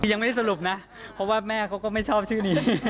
ยังไม่ได้สรุปนะเพราะว่าแม่เขาก็ไม่ชอบชื่อนี้